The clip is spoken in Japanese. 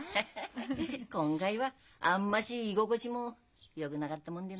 ヘヘヘ今回はあんまし居心地もよぐなかったもんでない。